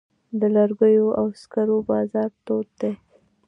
د لرګیو او سکرو بازار تود دی؟